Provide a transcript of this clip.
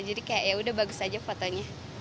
jadi kayak ya udah bagus aja fotonya